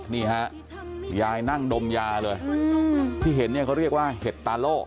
นี่ฮะยายนั่งดมยาเลยที่เห็นเนี่ยเขาเรียกว่าเห็ดตาโล่